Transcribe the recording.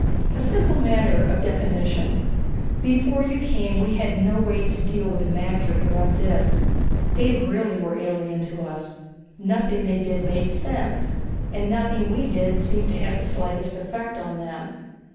"A simple matter of definition. Before you came we had no way to deal with the magter here on Dis. They really were alien to us. Nothing they did made sense and nothing we did seemed to have the slightest effect on them.